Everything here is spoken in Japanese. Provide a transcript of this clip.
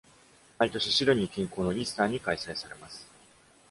毎年シドニー近郊のイースターに開催されます。